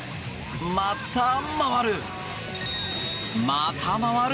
また、回る。